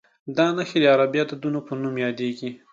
دا نښې د عربي عددونو په نوم یادېږي.